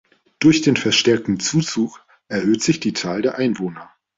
Durch den verstärkten Zuzug erhöhte sich die Zahl der Einwohner.